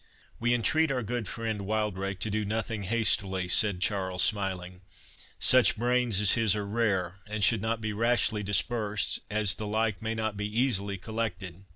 "We entreat our good friend Wildrake to do nothing hastily," said Charles, smiling; "such brains as his are rare, and should not be rashly dispersed, as the like may not be easily collected.